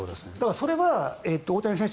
それは大谷選手